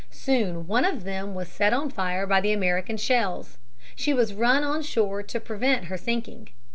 Soon one of them was set on fire by the American shells. She was run on shore to prevent her sinking.